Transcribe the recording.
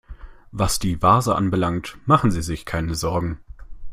Was die Vase anbelangt, machen Sie sich keine Sorgen.